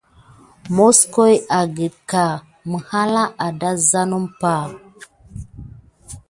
Moskoyo a gakeká mihala a da zane umpay.